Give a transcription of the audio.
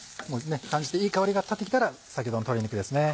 いい香りが立ってきたら先ほどの鶏肉ですね。